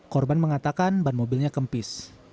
korban mengatakan ban mobilnya kempis